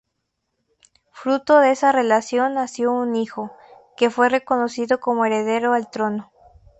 Fruto de esa relación nació un hijo, que fue reconocido como heredero al trono.